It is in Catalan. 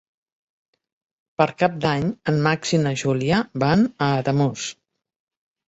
Per Cap d'Any en Max i na Júlia van a Ademús.